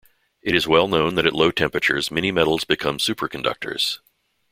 It is well known that at low temperature many metals become superconductors.